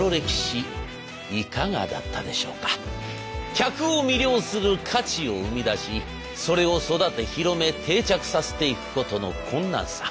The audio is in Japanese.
客を魅了する価値を生み出しそれを育て広め定着させていくことの困難さ。